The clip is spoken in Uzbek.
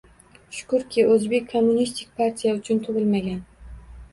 Shukrki, o‘zbek kommunistik partiya uchun tug‘ilmagan